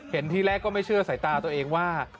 เห็นที่แรกก็ไม่เชื่อใส่ตาตัวเองว่า